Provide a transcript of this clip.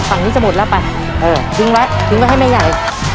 ฝั่งนี้จะหมดแล้วไปเออทิ้งไว้ทิ้งไว้ให้ไม่ใหญ่